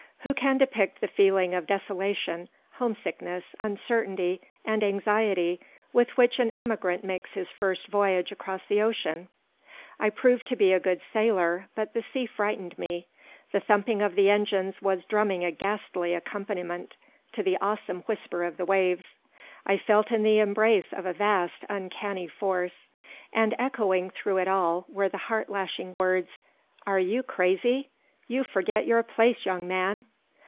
Who can depict the feeling of desolation, homesickness, uncertainty, and anxiety with which an emigrant makes his first voyage across the ocean? I proved to be a good sailor, but the sea frightened me. The thumping of the engines was drumming a ghastly accompaniment to the awesome whisper of the waves. I felt in the embrace of a vast, uncanny force. And echoing through it all were the heart lashing words: "Are you crazy? You forget your place, young man!"